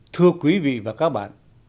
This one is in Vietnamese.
thưa quý vị và các bạn